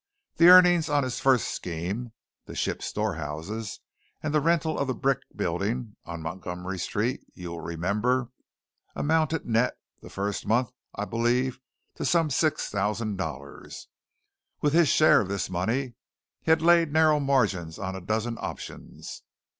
The earnings on his first scheme the ship storehouses, and the rental of the brick building on Montgomery Street, you will remember amounted net, the first month, I believe, to some six thousand dollars. With his share of this money he had laid narrow margins on a dozen options.